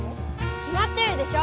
きまってるでしょ！